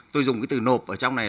tôi dùng cái từ nộp ở trong này